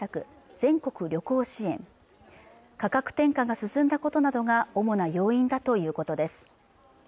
全国旅行支援価格転嫁が進んだことなどが主な要因だということです